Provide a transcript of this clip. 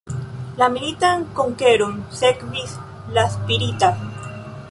La militan konkeron sekvis la spirita.